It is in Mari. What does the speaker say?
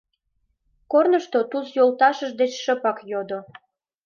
Корнышто Туз йолташыж деч шыпак йодо: